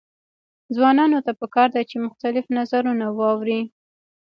ځوانانو ته پکار ده چې، مختلف نظرونه واوري.